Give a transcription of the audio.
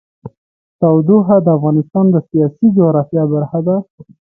تودوخه د افغانستان د سیاسي جغرافیه برخه ده.